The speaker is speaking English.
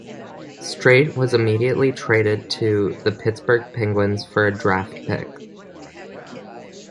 Streit was immediately traded to the Pittsburgh Penguins for a draft pick.